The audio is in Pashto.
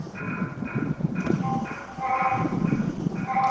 هغه د خپل وخت تر ټولو مشهور لیکوال و.